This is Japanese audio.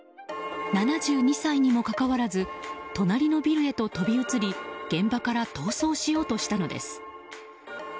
７２歳にもかかわらず隣のビルへと飛び移り現場から逃走しようとしたのです。